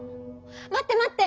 待って待って！